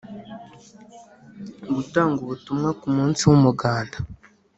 gutanga ubutumwa ku munsi w’umuganda;